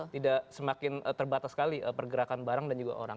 tidak semakin terbatas sekali pergerakan barang dan juga orang